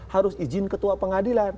harus izin ketua pengadilan